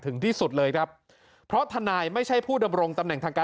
ถึงที่สุดเลยครับเพราะทนายไม่ใช่ผู้ดำรงตำแหน่งทางการ